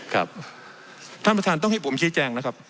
ครับท่านประธานต้องให้ผมชี้แจงนะครับ